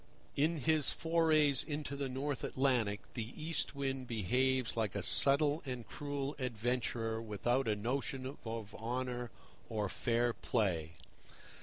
In his forays into the North Atlantic the East Wind behaves like a subtle and cruel adventurer without a notion of honour or fair play.